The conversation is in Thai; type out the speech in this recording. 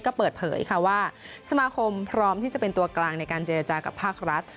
ก็เปิดเผยค่ะว่าสมาคมพร้อมที่จะเป็นตัวกลางในการเจรจากับภาครัฐ